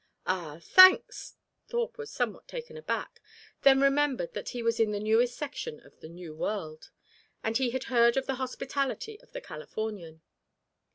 "Ah thanks!" Thorpe was somewhat taken aback, then remembered that he was in the newest section of the new world. And he had heard of the hospitality of the Californian.